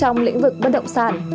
trong lĩnh vực bất động sản